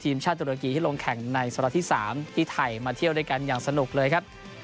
ชาติตุรกีที่ลงแข่งในสล็อตที่๓ที่ไทยมาเที่ยวด้วยกันอย่างสนุกเลยครับ